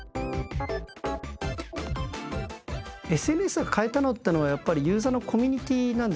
ＳＮＳが変えたのってのはやっぱりユーザーのコミュニティーなんですね。